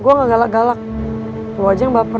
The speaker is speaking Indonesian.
gue gak galak galak lu aja yang baper